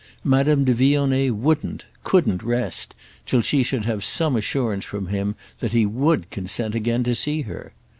Madame de Vionnet wouldn't, couldn't rest till she should have some assurance from him that he would consent again to see her.